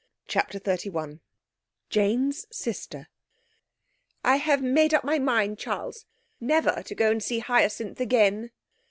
CHAPTER XXXI Jane's Sister 'I have made up my mind, Charles, never to go and see Hyacinth again!'